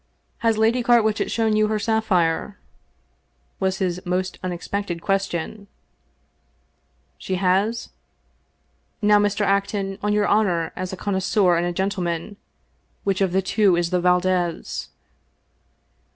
" Has Lady Carwitchet shown you her sapphire ?" was his most unexpected question. " She has ? Now, Mr. Acton, on your honor as a connoisseur and a gentleman, which of the two is the Valdez